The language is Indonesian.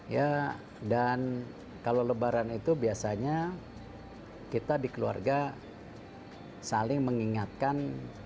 ya dan kalau lebaran itu biasanya kita di keluarga saling mengingatkan